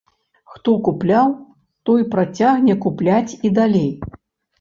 Хто купляў, той працягне купляць і далей.